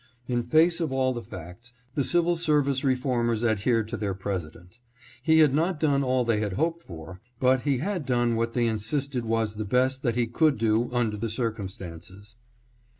In face of all the facts, the civil service reformers adhered to their President. He had not done all they had hoped for, but he had done what they insisted was the best that he could do under the circumstances.